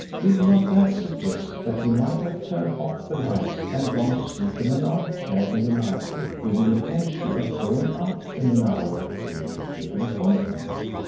Did not that suggest that he might have turned off the lights and gone to sleep in an arm chair in the library with the intention of going out in an hour or two to keep an appointment?